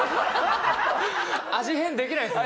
味変できないです。